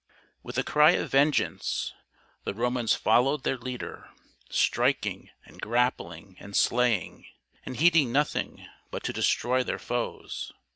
With a cry of vengeance the Romans followed their leader, striking and grappling and slaying, and heeding nothing but to destroy their foes.